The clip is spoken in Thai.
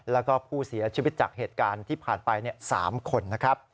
แล้วก็ผู้เสียชีวิตจากเหตุการณ์ที่ผ่านไป๓คนนะครับ